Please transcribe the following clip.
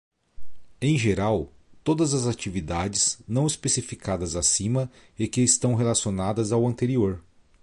Em geral, todas as atividades não especificadas acima e que estão relacionadas ao anterior.